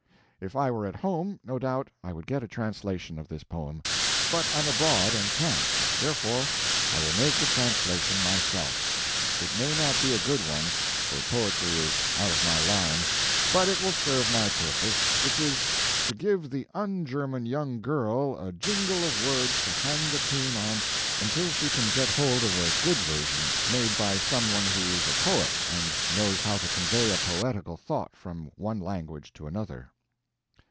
If I were at home, no doubt I could get a translation of this poem, but I am abroad and can't; therefore I will make a translation myself. It may not be a good one, for poetry is out of my line, but it will serve my purpose which is, to give the unGerman young girl a jingle of words to hang the tune on until she can get hold of a good version, made by some one who is a poet and knows how to convey a poetical thought from one language to another.